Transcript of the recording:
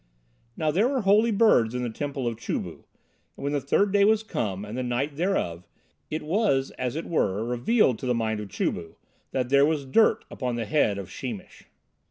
Now there were holy birds in the temple of Chu bu, and when the third day was come and the night thereof, it was as it were revealed to the mind of Chu bu, that there was dirt upon the head of Sheemish.